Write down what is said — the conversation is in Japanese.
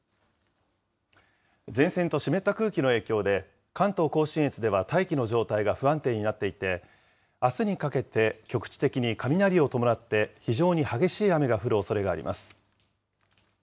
前線と湿った空気の影響で、関東甲信越では大気の状態が不安定になっていて、あすにかけて、局地的に雷を伴って、非常に激しい雨が降るおそれがあります。